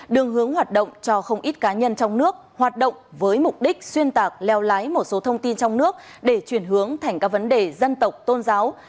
đường hướng hoạt động cho không ít cá nhân trong nước hoạt động với mục đích xuyên tạc leo lái một số thông tin trong nước để chuyển hướng thành các vấn đề dân tộc tôn giáo